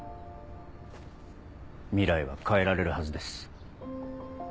未来は変えられるはずです。